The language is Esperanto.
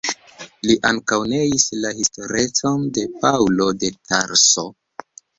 Li ankaŭ neis la historecon de Paŭlo de Tarso.